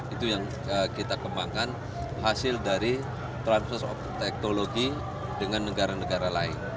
itu yang kita kembangkan hasil dari transfer of technology dengan negara negara lain